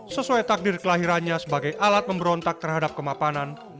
sesuai takdir kelahirannya sebagai alat memberontak terhadap kemapanan